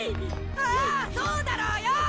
ああ、そうだろうよ。